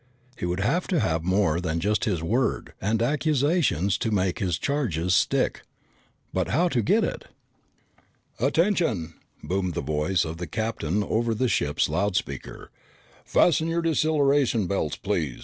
He would have to have more than just his word and accusation to make his charges stick. But how to get it? "Attention," boomed the voice of the captain over the ship's loud speaker. "Fasten your deceleration belts, please!